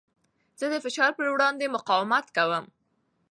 زه د فشار په وړاندې مقاومت کوم.